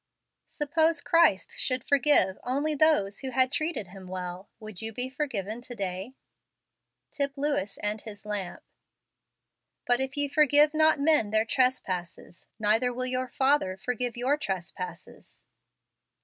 Suppose Christ should forgive only those who had treated him well; would you be forgiven to day ? Tip Lewis and Ilis Lamp. " But if ye forgive not men their trespasses, neither will your Father forgive your trespasses."